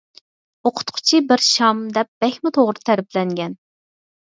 «ئوقۇتقۇچى بىر شام» دەپ بەكمۇ توغرا تەرىپلەنگەن.